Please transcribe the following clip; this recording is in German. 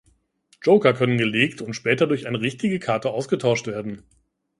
Joker können gelegt und später durch eine richtige Karte ausgetauscht werden.